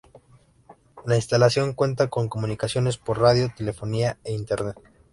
La instalación cuenta con comunicaciones por radio, telefonía e Internet.